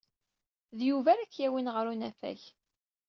D Yuba ara k-yawin ɣer unafag.